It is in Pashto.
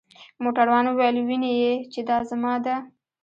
موټروان وویل: وینې يې؟ چې دا زما ده.